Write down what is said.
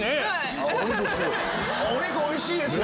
お肉おいしいですか？